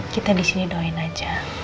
kita di sini doain aja